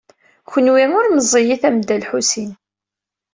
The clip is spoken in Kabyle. Kenwi ur meẓẓiyit am Dda Lḥusin.